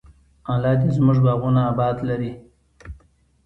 الله دې زموږ باغونه اباد لري.